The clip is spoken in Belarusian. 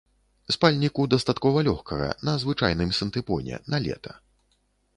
Спальніку дастаткова лёгкага, на звычайным сінтыпоне, на лета.